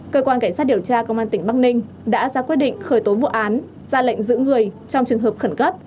cơ quan cảnh sát điều tra công an tỉnh bắc ninh đã ra quyết định khởi tố vụ án ra lệnh giữ người trong trường hợp khẩn cấp